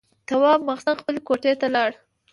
تواب ماخستن خپلې کوټې ته لاړ.